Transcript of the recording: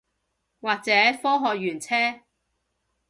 或者科學園車